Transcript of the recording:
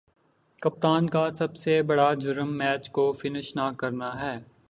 کپتان کا سب سے برا جرم میچ کو فنش نہ کرنا ہے